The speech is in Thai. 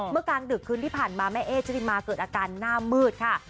กลางดึกคืนที่ผ่านมาแม่เอ๊ชุติมาเกิดอาการหน้ามืดค่ะ